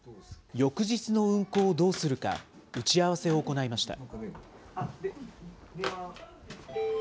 翌日の運航をどうするか、打ち合わせを行いました。